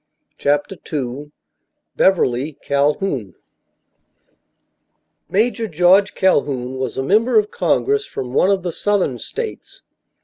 CHAPTER II BEVERLY CALHOUN Major George Calhoun was a member of Congress from one of the southern states.